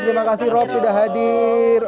terima kasih rob sudah hadir